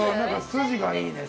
筋がいいね。